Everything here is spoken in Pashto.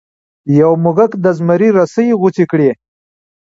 یو موږک د زمري رسۍ غوڅې کړې.